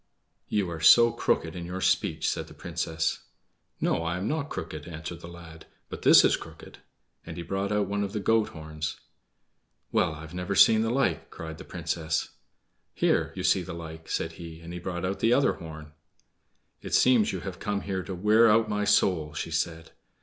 "You are so crooked in your speech," said the Princess. "No, I am not crooked," answered the lad; "but this is crooked"; and he brought out one of the goat horns. "Well, I've never seen the like!" cried the Princess. "Here you see the like," said he, and brought out the other horn. "It seems you have come here to wear out my soul!" she said.